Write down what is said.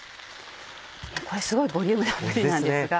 これすごいボリュームなんですが。